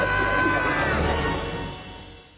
あ‼